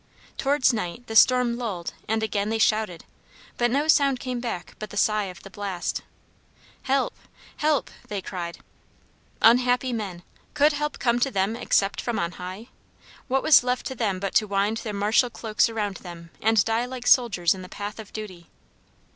Towards night the storm lulled and again they shouted, but no sound came back but the sigh of the blast. Help! help! they cried. Unhappy men, could help come to them except from on high! What was left to them but to wind their martial cloaks around them and die like soldiers in the path of duty!